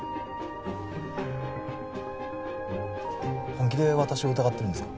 本気で私を疑ってるんですか？